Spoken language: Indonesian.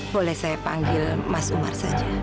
boleh saya panggil mas umar saja